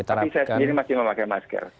tapi saya sendiri masih memakai masker